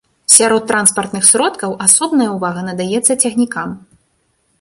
Сярод транспартных сродкаў асобная ўвага надаецца цягнікам.